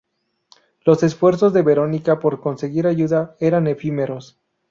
Los esfuerzos de Verónica por conseguir ayuda eran efímeros.